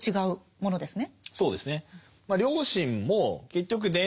そうですね。